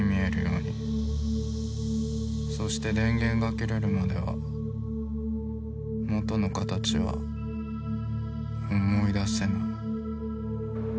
そして電源が切れるまでは元の形は思い出せない。